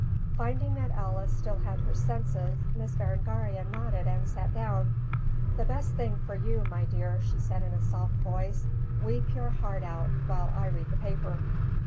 Finding that Alice still had her senses Miss Berengaria nodded and sat down. "The best thing for you, my dear," she said in a soft voice. "Weep your heart out, while I read the paper."